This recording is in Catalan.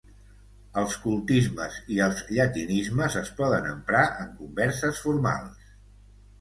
Els cultismes i els llatinismes es poden emprar en converses formals.